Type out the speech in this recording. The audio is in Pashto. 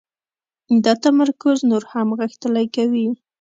دا تمرکز نور هم غښتلی کوي.